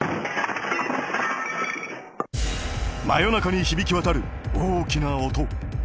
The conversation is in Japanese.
真夜中に響き渡る大きな音。